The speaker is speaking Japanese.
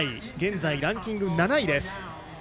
現在ランキング７位です。